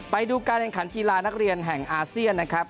ไปดูการแข่งขันกีฬานักเรียนแห่งอาเซียนนะครับ